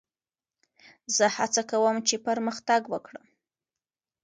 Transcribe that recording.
زه هڅه کوم، چي پرمختګ وکړم.